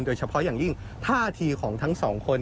โดยเฉพาะอย่างยิ่งท่าทีของทั้งสองคน